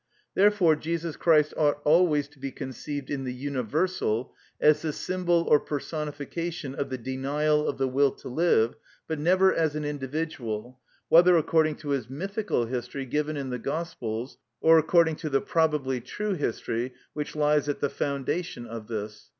Therefore Jesus Christ ought always to be conceived in the universal, as the symbol or personification of the denial of the will to live, but never as an individual, whether according to his mythical history given in the Gospels, or according to the probably true history which lies at the foundation of this.